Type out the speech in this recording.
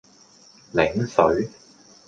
檸水